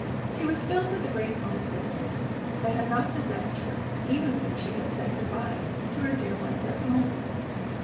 She was filled with a great homesickness that had not possessed her even when she said good by to her dear ones at home.